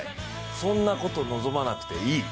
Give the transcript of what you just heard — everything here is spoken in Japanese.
そんなこと望まなくていい。